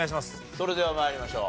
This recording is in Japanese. それでは参りましょう。